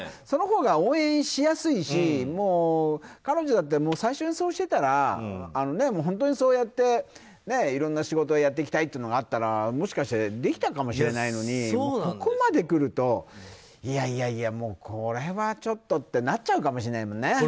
そのほうが応援しやすいし彼女だって最初にそうしてたら本当にいろんな仕事をやっていきたいというのがあったらもしかしてできたかもしれないのにここまで来るといやいや、これはちょっとってなっちゃうかもしれないもんね。